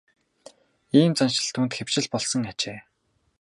Ийм заншил түүнд хэвшил болсон ажээ.